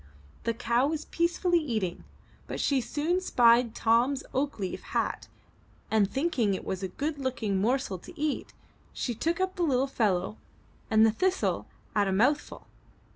The cow was peacefully eating, but she soon spied Tom's oak leaf hat and, thinking it a good looking morsel to eat, she took up the little fellow and the thistle at a mouthful.